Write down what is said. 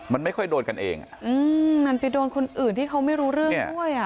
มันไม่ค่อยโดนกันเองอ่ะอืมมันไปโดนคนอื่นที่เขาไม่รู้เรื่องด้วยอ่ะ